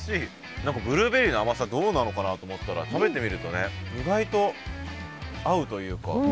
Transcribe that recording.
何かブルーベリーの甘さどうなのかなって思ったら食べてみるとね意外と合うというか。